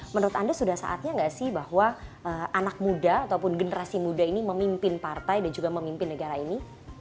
menurut anda sudah saatnya nggak sih bahwa anak muda ataupun generasi muda ini memimpin partai dan juga memimpin negara ini